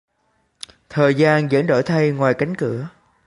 Thời gian vẫn đổi thay ngoài cánh cửa